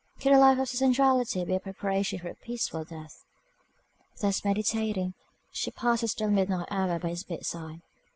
Could a life of sensuality be a preparation for a peaceful death? Thus meditating, she passed the still midnight hour by his bedside.